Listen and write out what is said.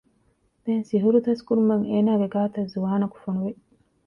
ދެން ސިޙުރު ދަސްކުރުމަށް އޭނާގެ ގާތަށް ޒުވާނަކު ފޮނުވި